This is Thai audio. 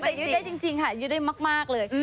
แต่ยึดได้จริงค่ะยึดได้มากเลย